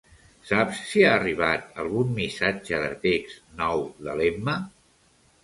Saps si ha arribat algun missatge de text nou de l'Emma?